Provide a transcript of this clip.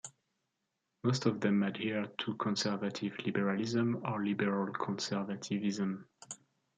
Most of them adhere to conservative liberalism or liberal conservativism.